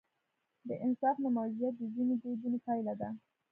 د انصاف نه موجودیت د ځینو دودونو پایله ده.